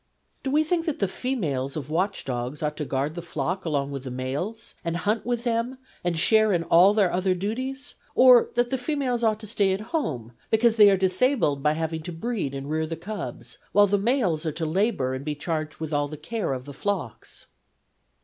Do we think that the females of watch dogs ought to guard the flock along with the males, and hunt with them, and share in all their other duties ; or that the females ought to stay at home, because they are disabled by having to breed and rear the cubs, while the males are to labour and be charged with all the care of the flocks